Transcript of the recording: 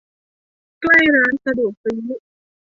ใกล้ร้านสะดวกซื้อ